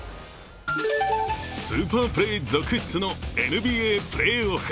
スーパープレー続出のＮＢＡプレーオフ。